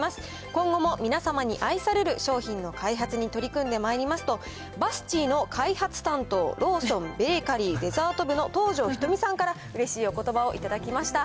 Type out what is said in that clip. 今後も皆様に愛される商品の開発に取り組んでまいりますと、バスチーの開発担当、ローソンベーカリー・デザート部の東條仁美さんから、うれしいおことばを頂きました。